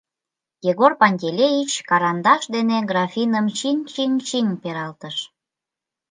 — Егор Пантелеич карандаш дене графиным чиҥ-чиҥ-чиҥ пералтыш.